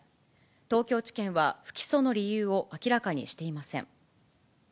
東京地検は、不起訴の理由を明らかにしていません。